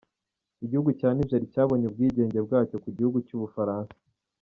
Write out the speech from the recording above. Igihugu cya Niger cyabonye ubwigenge bwacyo ku gihugu cy’ubufaransa.